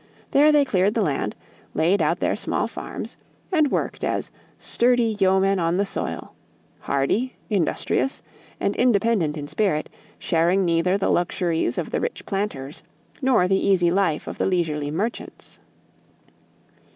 There they cleared the land, laid out their small farms, and worked as "sturdy yeomen on the soil," hardy, industrious, and independent in spirit, sharing neither the luxuries of the rich planters nor the easy life of the leisurely merchants.